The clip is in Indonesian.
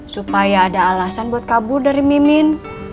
supaya ada alasan buat kabur dari mimin